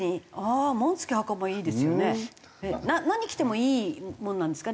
何着てもいいもんなんですか？